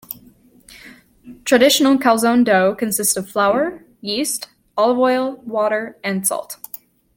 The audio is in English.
Traditional calzone dough consists of flour, yeast, olive oil, water and salt.